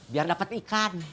biar dapat ikan